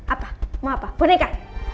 apa mau apa boneka